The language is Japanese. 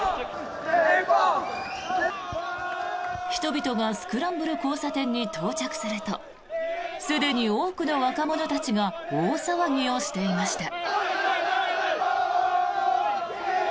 人々がスクランブル交差点に到着するとすでに多くの若者たちが大騒ぎをしていました。